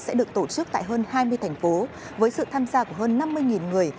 sẽ được tổ chức tại hơn hai mươi thành phố với sự tham gia của hơn năm mươi người